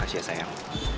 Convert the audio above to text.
makasih ya sayang